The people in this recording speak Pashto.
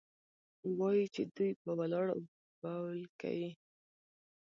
وايي چې دوى په ولاړو بول كيې؟